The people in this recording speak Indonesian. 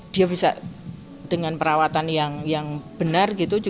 dia bisa dengan perawatan yang benar gitu